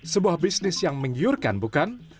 sebuah bisnis yang menggiurkan bukan